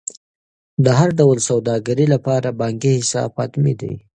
د هر ډول سوداګرۍ لپاره بانکي حساب حتمي دی.